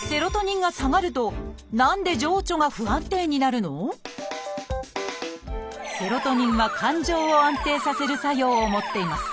その原因はセロトニンは感情を安定させる作用を持っています。